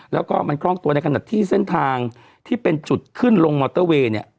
แล้วก็มันคล่องตัวในขณะที่เส้นทางที่เป็นจุดขึ้นลงมอเตอร์เวย์เนี่ย